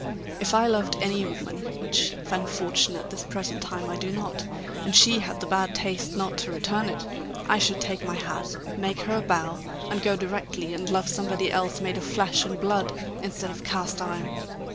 If I loved any woman which, thank Fortune! at this present time I do not and she had the bad taste not to return it, I should take my hat, make her a bow, and go directly and love somebody else made of flesh and blood, instead of cast iron!